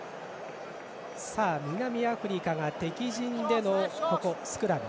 南アフリカ、敵陣でのスクラム。